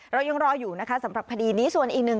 เรายังรออยู่นะคะสำหรับคดีนี้ส่วนอีกหนึ่ง